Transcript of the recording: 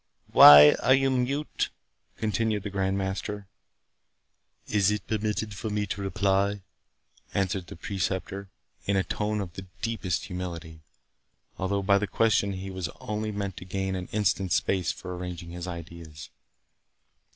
"Why are you mute?" continued the Grand Master. "Is it permitted to me to reply?" answered the Preceptor, in a tone of the deepest humility, although by the question he only meant to gain an instant's space for arranging his ideas.